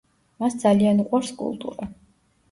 მას ძალიან უყვარს კულტურა.